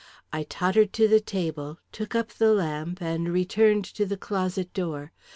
I tottered to the table, took up the lamp, and returned to the closet door.